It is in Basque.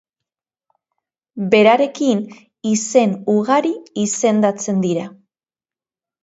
Berarekin izen ugari izendatzen dira.